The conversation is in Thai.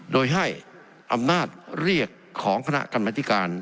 โดยให้อำนาจเรียกของคณะกรรมธิการ